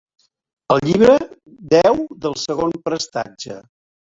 El llibre deu del segon prestatge.